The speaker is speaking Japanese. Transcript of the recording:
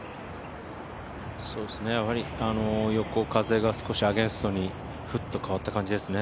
横風が少しアゲンストにフッと変わった感じですね。